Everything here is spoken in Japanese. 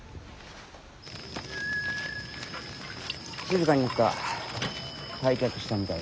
静かになった。